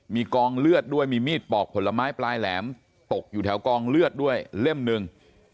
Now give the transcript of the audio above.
มีกองเลือดด้วยมีมีดปอกผลไม้ปลายแหลมตกอยู่แถวกองเลือดด้วยเล่มหนึ่ง